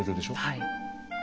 はい。